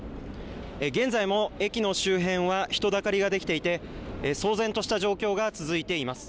現在も駅の周辺は人だかりができていて騒然とした状況が続いています。